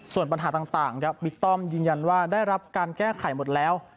ส่วนปัญหาต่างครับบิ๊กต้อมยืนยันว่าได้รับการแก้ไขหมดแล้ว